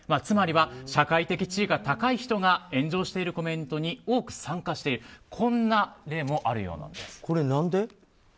つまりは、社会的地位が高い人が炎上しているコメントに多く参加しているとこんな例もあるようなんです。